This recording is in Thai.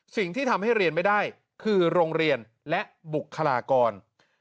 สิ่งที่ทำให้เรียนไม่ได้คือโรงเรียนและบุคลากร